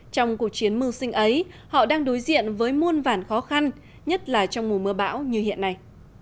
trong cuộc chiến mưu sinh ấy họ đang đối diện với muôn vản khó khăn nhất là trong mùa mưa bão như hiện nay